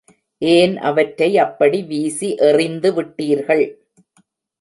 ஏன் அவற்றை அப்படி வீசி எறிந்துவிட்டீர்கள்?